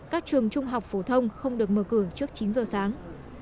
các trường trung học phổ thông không được mở cửa trước chín giờ sáng